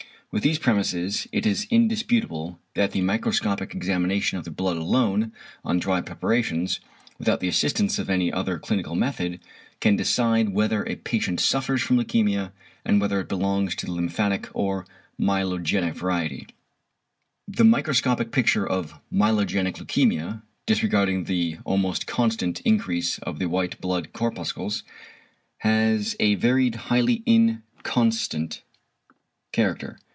With these premises it is indisputable =that the microscopic examination of the blood alone on dry preparations, without the assistance of any other clinical method, can decide whether a patient suffers from leukæmia, and whether it belongs to the lymphatic or myelogenic variety=. The microscopic picture of =myelogenic leukæmia=, disregarding the almost constant increase of the white blood corpuscles, has a varied, highly inconstant character.